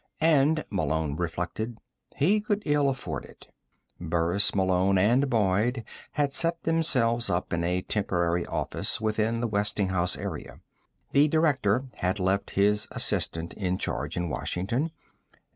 And, Malone reflected, he could ill afford it. Burris, Malone and Boyd had set themselves up in a temporary office within the Westinghouse area. The director had left his assistant in charge in Washington.